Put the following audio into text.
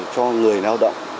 cho người nào động